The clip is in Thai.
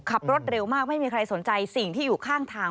ขับรถเร็วมากไม่มีใครสนใจสิ่งที่อยู่ข้างทาง